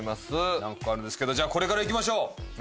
何個かあるんですけどじゃあこれからいきましょう！